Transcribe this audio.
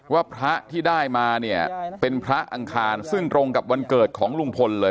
ว่าพระที่ได้มาเนี่ยเป็นพระอังคารซึ่งตรงกับวันเกิดของลุงพลเลย